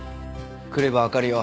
来ればわかるよ。